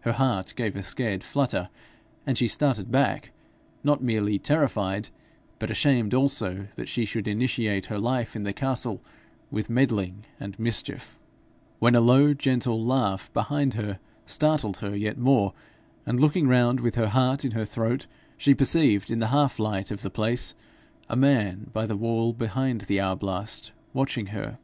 Her heart gave a scared flutter, and she started back, not merely terrified, but ashamed also that she should initiate her life in the castle with meddling and mischief, when a low gentle laugh behind her startled her yet more, and looking round with her heart in her throat, she perceived in the half light of the place a man by the wall behind the arblast watching her.